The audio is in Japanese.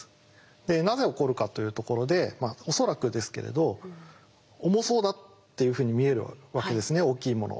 でなぜ起こるかというところで恐らくですけれど「重そうだ」っていうふうに見えるわけですね大きいものは。